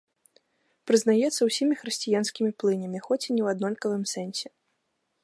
Прызнаецца усімі хрысціянскімі плынямі, хоць і не ў аднолькавым сэнсе.